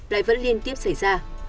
lại vẫn liên tiếp xảy ra